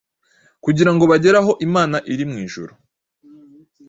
kugira ngo bagere aho Imana iri mw’ijuru